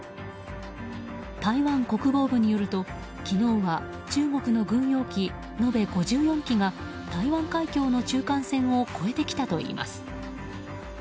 台湾国防部によると昨日は中国の軍用機延べ５４機が台湾海峡の中間線を越えてきたといいます。